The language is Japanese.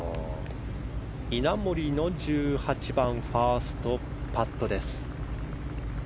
稲森の１８番ファーストパットです。